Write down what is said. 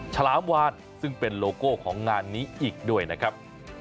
ฉลามวานซึ่งเป็นโลโก้ของงานนี้อีกด้วยนะครับ